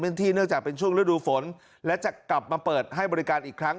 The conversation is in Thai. ที่เนื่องจากเป็นช่วงฤดูฝนและจะกลับมาเปิดให้บริการอีกครั้ง